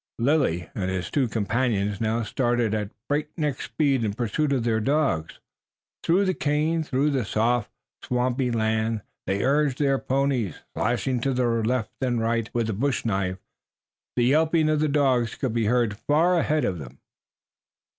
Lilly and his two companions now started at break neck speed in pursuit of their dogs. Through cane, through soft, swampy land they urged their ponies, slashing to the right and left with the bush knife. The yelping of the dogs could be heard far ahead of them.